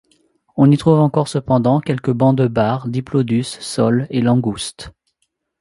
On y trouve encore cependant quelques bancs de bars, diplodus, soles et langoustes.